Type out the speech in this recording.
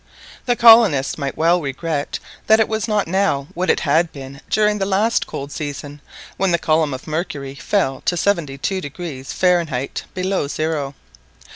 The colonists might well regret that it was not now what it had been during the last cold season, when the column of mercury fell to 72° Fahrenheit below zero.